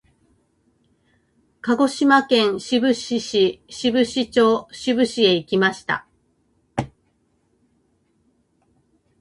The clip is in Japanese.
鹿児島県志布志市志布志町志布志へ行きました。